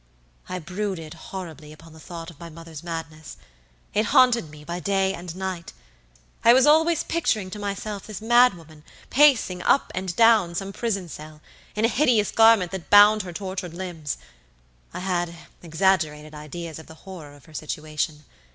"I brooded horribly upon the thought of my mother's madness. It haunted me by day and night. I was always picturing to myself this mad woman pacing up and down some prison cell, in a hideous garment that bound her tortured limbs. I had exaggerated ideas of the horror of her situation.